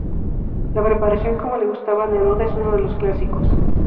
La preparación como le gustaba a Neruda es uno de los clásicos.